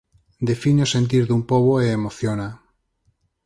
Define o sentir dun pobo e emociona.